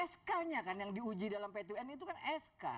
sk nya kan yang diuji dalam ptn itu kan sk